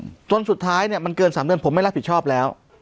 จนสุดท้ายเนี้ยมันเกินสามเดือนผมไม่รับผิดชอบแล้ว